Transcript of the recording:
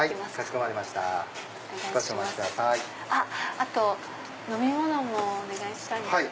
あと飲み物もお願いしたいんですが。